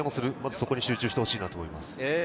そこに集中してほしいと思います。